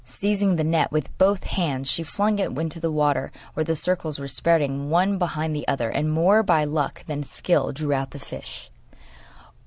Seizing the net with both hands, she flung it into the water where the circles were spreading one behind the other, and, more by luck than skill, drew out the fish.